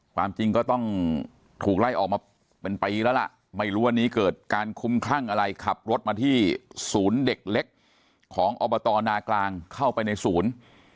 ความจริงก็ต้องถูกไล่ออกมาเป็นปีแล้วล่ะไม่รู้วันนี้เกิดการคุ้มคลั่งอะไรขับรถมาที่ศูนย์เด็กเล็กของอบตนากลางเข้าไปในศูนย์